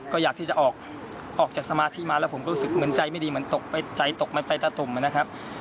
ก็อยากที่จะออกจากสมาธิมาแล้วผมก็รู้สึกเหมือนใจไม่ดีเหมือนตกไปใจตกมันไปตะตุ่มนะครับ